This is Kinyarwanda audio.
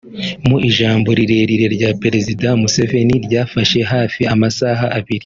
Mu ijambo rirerire rya Perezida Museveni ryafashe hafi amasaha abiri